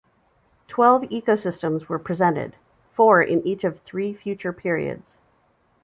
Twelve ecosystems were presented, four in each of three future periods.